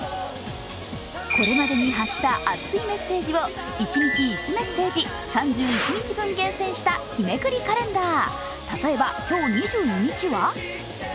これまでに発した熱いメッセージを一日１メッセージ、３１日分厳選した日めくりカレンダー。